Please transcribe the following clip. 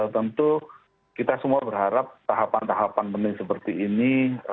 tentu kita semua berharap tahapan tahapan penting seperti ini